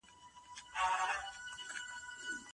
انارګل ته وویل شول چې د خپلې مېنې لپاره شیرني وویشي.